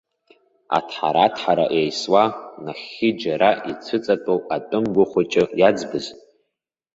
Аҭҳараҭҳара еисуа, нахьхьи џьара ицәыҵатәоу атәым гәы хәыҷы иаӡбыз?